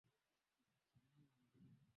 Binamu anaruka